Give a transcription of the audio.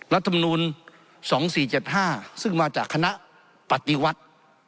รัฐมนูล๒๔๗๕ซึ่งมาจากคณะปฏิวัติ